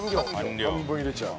半分入れちゃう。